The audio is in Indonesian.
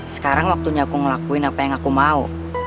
sekarang waktunya aku ngelakuin apa yang aku mau